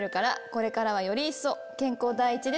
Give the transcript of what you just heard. これからはより一層健康第一で